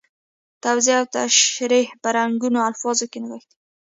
توضیح او تشریح په رنګینو الفاظو کې نغښتي وي.